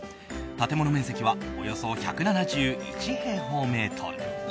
建物面積はおよそ１７１平方メートル。